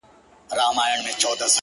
هو په همزولو کي له ټولو څخه پاس يمه،